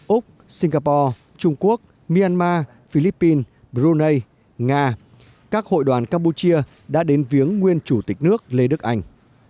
úc singapore trung quốc myanmar philippines brunei nga các hội đoàn campuchia đã đến viếng nguyên chủ tịch nước lê đức anh